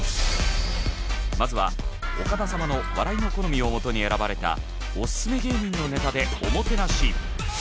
まずはオカダ様の笑いの好みをもとに選ばれたオススメ芸人のネタでおもてなし。